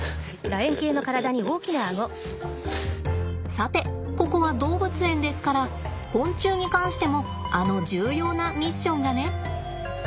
さてここは動物園ですから昆虫に関してもあの重要なミッションがね。